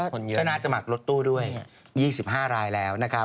น่าจะหมักรถตู้ด้วย๒๕รายแล้วนะครับ